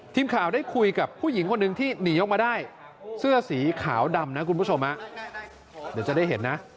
ทีมข่าวได้คุยกับผู้หญิงคนหนึ่งที่หนีออกมาได้เสื้อสีขาวดำนะคุณผู้ชมเดี๋ยวจะได้เห็นนะ